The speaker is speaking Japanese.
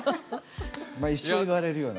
まっ一生言われるよな。